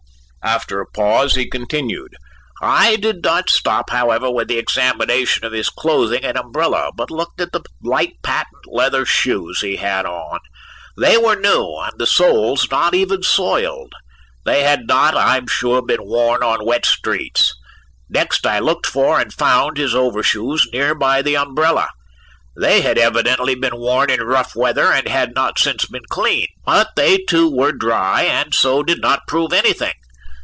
After a pause, he continued: "I did not stop, however, with the examination of his clothing and umbrella, but looked at the light patent leather shoes he had on. They were new and the soles not even soiled. They had not, I am sure, been worn on wet streets. Next I looked for and found his overshoes nearby the umbrella: they had evidently been worn in rough weather and had not since been cleaned, but they too were dry and so did not prove anything."